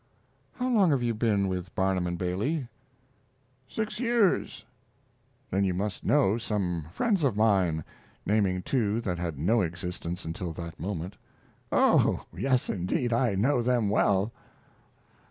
"How long have you been with Barnum and Bailey?" "Six years." "Then you must know some friends of mine" (naming two that had no existence until that moment). "Oh yes, indeed. I know them well."